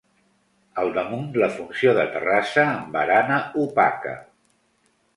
Al damunt fa funció de terrassa amb barana opaca.